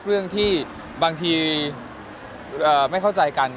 เรื่องที่บางทีไม่เข้าใจกัน